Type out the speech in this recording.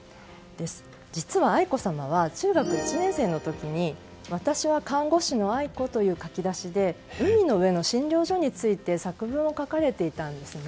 実は、愛子さまは中学１年生の時に「私は看護師の愛子」という書き出しで海の上の診療所について作文を書かれていたんですね。